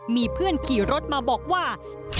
มีเพื่อนขี่รถมาบอกว่า